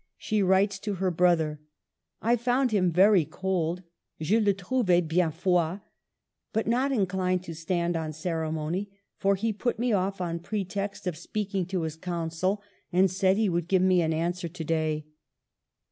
She writes to her brother, —" I found him very cold {je le trouvay Men froit), but not inclined to stand on ceremony ; for he put me off on pretext of speaking to his council, and said he would give me an answer to day.